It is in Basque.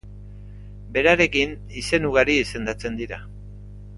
Berarekin izen ugari izendatzen dira.